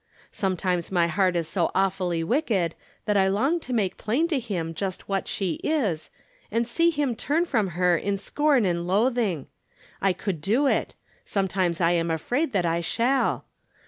Sometimes my heart is so awfully wicked that I long to make plain to him just what she is, and see him turn from her in scorn and loathing. I could do it^ sometimes I am afraid that I shall.